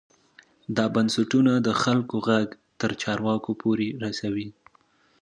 دا بنسټونه د خلکو غږ تر چارواکو پورې رسوي.